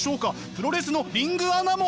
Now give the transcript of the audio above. プロレスのリングアナも！